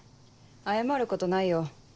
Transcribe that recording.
謝ることないよ。